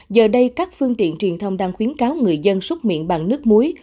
giờ đây các phương tiện truyền thông đang khuyến cáo người dân xúc miệng bằng nước muối